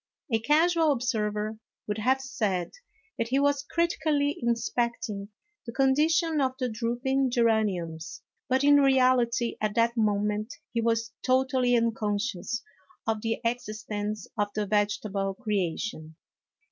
A casual observer would have said that he was critically inspecting the condition of the drooping geraniums, but, in reality, at that moment he was totally uncon scious of the existence of the vegetable creation.